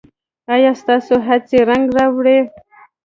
ایا ستاسو هڅې رنګ راوړي؟